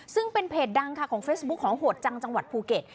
ซึ่งเป็นเพจดังค่ะของเฟซบุ๊คของโหดจังจังหวัดภูเก็ต